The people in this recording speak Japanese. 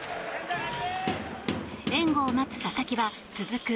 援護を待つ佐々木は続く